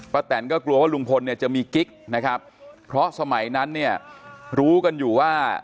แตนก็กลัวว่าลุงพลเนี่ยจะมีกิ๊กนะครับเพราะสมัยนั้นเนี่ยรู้กันอยู่ว่า